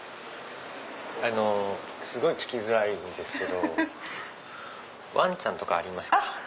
あのすごい聞きづらいんですけどわんちゃんとかありますか？